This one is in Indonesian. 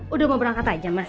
udah mau berangkat aja mas